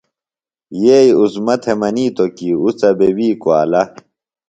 یئ عظمیٰ تھےۡ منیتوۡ کی اُڅہ بےۡ وی کُوالہ۔